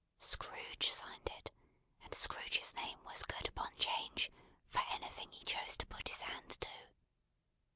Scrooge signed it: and Scrooge's name was good upon 'Change, for anything he chose to put his hand to.